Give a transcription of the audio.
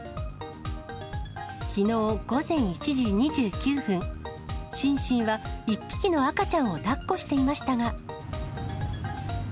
きのう午前１時２９分、シンシンは１匹の赤ちゃんをだっこしていましたが。